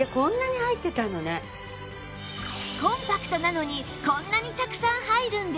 コンパクトなのにこんなにたくさん入るんです